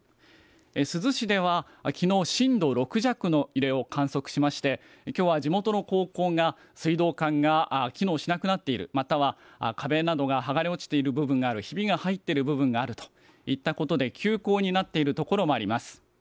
珠洲市ではきのう震度６弱の揺れを観測しまして、きょうは地元の高校が水道管が機能しなくなっている、または壁などが剥がれ落ちている部分がある、ひびが入っている部分があるといったことで休校になっているところもあります。